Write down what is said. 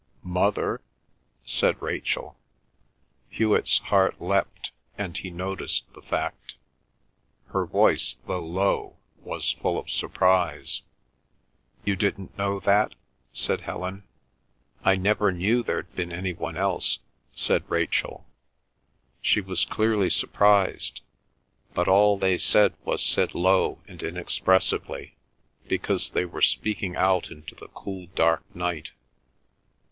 "Mother?" said Rachel. Hewet's heart leapt, and he noticed the fact. Her voice, though low, was full of surprise. "You didn't know that?" said Helen. "I never knew there'd been any one else," said Rachel. She was clearly surprised, but all they said was said low and inexpressively, because they were speaking out into the cool dark night.